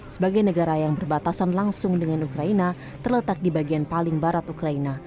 sebagai negara yang berbatasan langsung dengan ukraina terletak di bagian paling barat ukraina